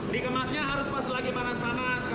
di kemasnya harus pas lagi panas panas karena kalau udah dingin